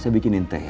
saya bikini teh ya